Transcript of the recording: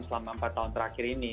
selama empat tahun terakhir ini